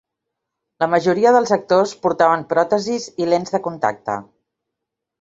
La majoria dels actors portaven pròtesis i lents de contacte.